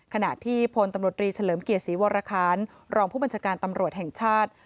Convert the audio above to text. ขณะที่พลตำรวจรีเฉลิมเกียรติศรีวรคารรองผู้บัญชาการตำรวจแห่งชาติ